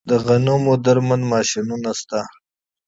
د غنمو درمند ماشینونه شته